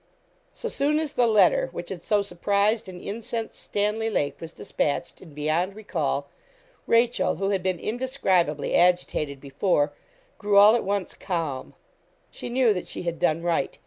So soon as the letter which had so surprised and incensed Stanley Lake was despatched, and beyond recall, Rachel, who had been indescribably agitated before, grew all at once calm. She knew that she had done right.